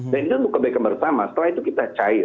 dan itu bukan kebaikan bersama setelah itu kita cair